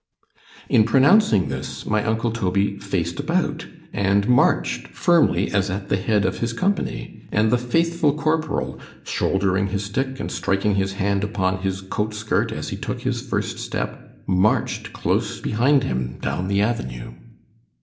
In pronouncing this, my uncle Toby faced about, and march'd firmly as at the head of his company——and the faithful corporal, shouldering his stick, and striking his hand upon his coat skirt as he took his first step——march'd close behind him down the avenue.